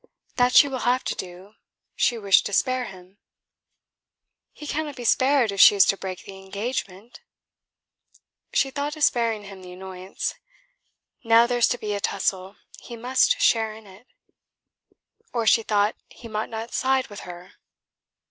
"That she will have to do. She wished to spare him." "He cannot be spared if she is to break the engagement." She thought of sparing him the annoyance. "Now there's to be a tussle, he must share in it." "Or she thought he might not side with her?"